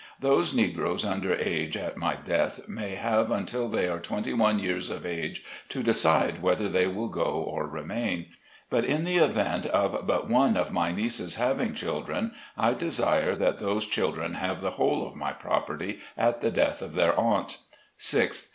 Those negroes under age at my death may have until they are twenty one years of age to decide whether they will go or remain ; but in the event of but one of my nieces having children, I desire that those children have the whole of my property at the death of their aunt. 6th.